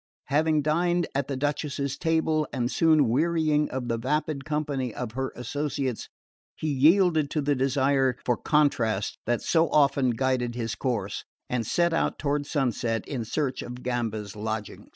Having dined at the Duchess's table, and soon wearying of the vapid company of her associates, he yielded to the desire for contrast that so often guided his course, and set out toward sunset in search of Gamba's lodging.